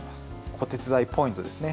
子手伝いポイントですね。